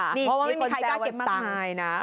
เพราะว่าไม่มีใครกล้าเก็บตังค์